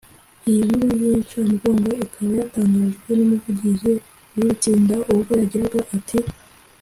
Iyi nkuru y’inshamugongo ikaba yatangajwe n’umuvugizi w’iri tsinda ubwo yagiraga ati